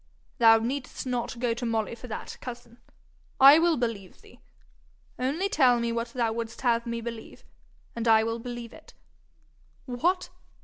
'Thou need'st not go to Molly for that, cousin. I will believe thee. Only tell me what thou wouldst have me believe, and I will believe it. What!